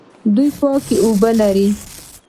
دوی پاکې اوبه لري.